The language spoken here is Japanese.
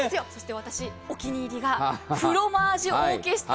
私、お気に入りがフロマージュオーケストラ。